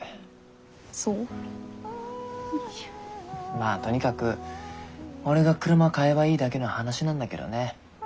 まあとにかく俺が車買えばいいだけの話なんだけどね。